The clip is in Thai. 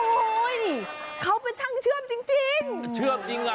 โอ้โหเขาเป็นช่างเชื่อมจริง